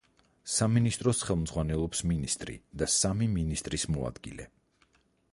სამინისტროს ხელმძღვანელობს მინისტრი და სამი მინისტრის მოადგილე.